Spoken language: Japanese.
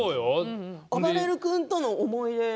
あばれる君との思い出。